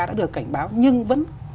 đã được cảnh báo nhưng vẫn